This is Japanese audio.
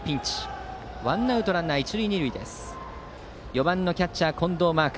４番のキャッチャー近藤真亜